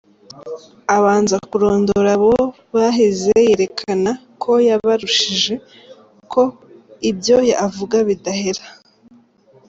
Abanza kurondora abo bahize, yerekana ko yabarushije, ko, ibyo avuga bidahera.